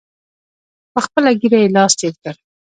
په خپله ږیره یې لاس تېر کړ.